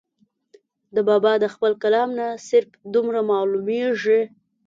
د بابا د خپل کلام نه صرف دومره معلوميږي